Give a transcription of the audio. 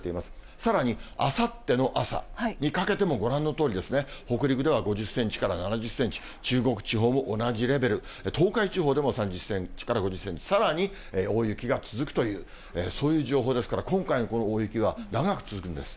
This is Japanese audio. さらにあさっての朝にかけてもご覧のとおり、北陸では５０センチから７０センチ、中国地方も同じレベル、東海地方でも３０センチから５０センチ、さらに大雪が続くという、そういう情報ですから、今回のこの大雪は長く続くんです。